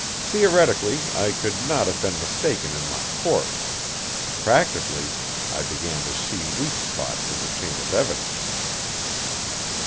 Theoretically, I could not have been mistaken in my course; practically, I began to see weak spots in the chain of evidence.